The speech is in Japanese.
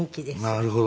なるほどね。